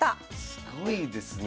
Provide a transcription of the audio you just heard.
すごいですね。